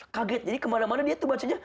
kaget jadi kemana mana dia itu bacanya